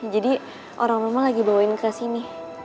jadi orang rumah lagi bawain ke sini